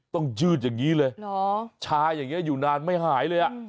ต้องยืดอย่างงี้เลยหรอชาอย่างงี้อยู่นานไม่หายเลยอ่ะอืม